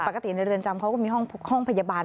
ในเรือนจำเขาก็มีห้องพยาบาล